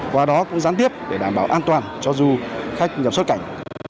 qua đó cũng gián tiếp để đảm bảo an toàn cho du khách nhập xuất cảnh